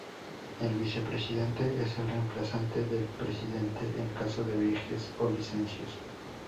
El vicepresidente es el reemplazante del presidente en caso de viajes o licencias.